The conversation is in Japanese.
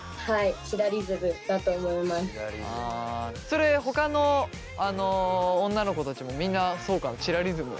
それほかの女の子たちもみんなそうかなチラリズム。